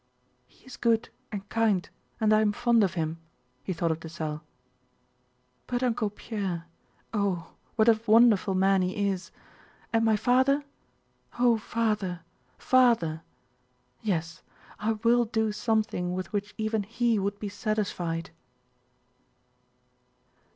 "He is good and kind and I am fond of him!" he thought of Dessalles. "But Uncle Pierre! Oh, what a wonderful man he is! And my father? Oh, Father, Father! Yes, I will do something with which even he would be satisfied...."